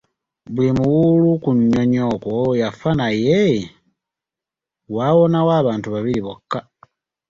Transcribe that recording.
Buli muwuulu ku nnyonyi okwo yafa naye waawonawo abantu babiri bokka.